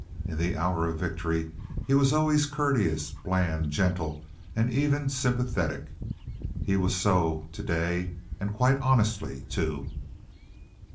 In the hour of victory he was always courteous, bland, gentle, and even sympathetic; he was so to day, and quite honestly, too.